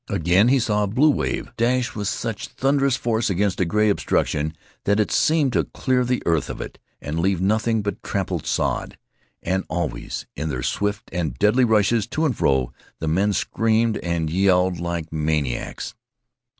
Again, he saw a blue wave dash with such thunderous force against a gray obstruction that it seemed to clear the earth of it and leave nothing but trampled sod. And always in their swift and deadly rushes to and fro the men screamed and yelled like maniacs.